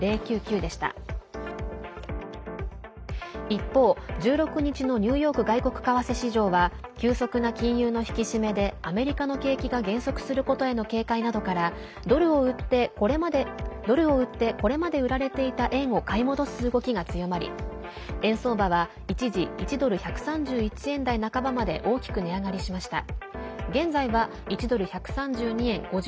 一方、１６日のニューヨーク外国為替市場は急速な金融の引き締めでアメリカの景気が減速することへの警戒などからドルを売ってこれまで売られていた円を買い戻す動きが強まり円相場は一時１ドル＝１３１円台半ばまで大きく値上がりしました。